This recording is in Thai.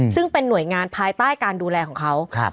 ซึ่งเป็นหน่วยงานภายใต้การดูแลของเขา